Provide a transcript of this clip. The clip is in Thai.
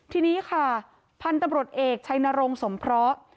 ทีนี้ค่ะพันธุ์ตำรวจเอกชัยนรงสมเคราะห์